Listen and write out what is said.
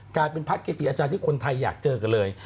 กลายเป็นพระเกจิอาจารย์ที่คนไทยอยากเจอกันเลย